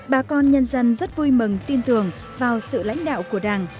bà con nhân dân rất vui mừng tin tưởng vào sự lãnh đạo của đảng